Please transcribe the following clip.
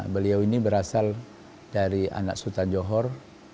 beliau ini berasal dari anak sultan johor